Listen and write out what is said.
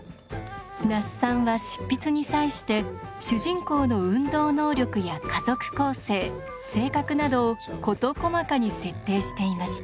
那須さんは執筆に際して主人公の運動能力や家族構成性格などを事細かに設定していました。